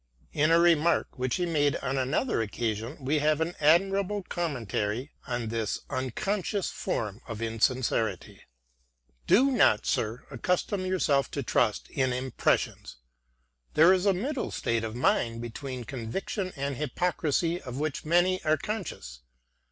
* In a remark which he made on another occasion we have an admirable commentary on this un conscious form of insincerity :" Do not, sir, accustom yourself to trust to impressions. There is a middle state of mind between conviction and hypocrisy of which many are conscious.